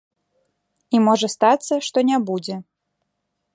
І можа стацца, што не будзе.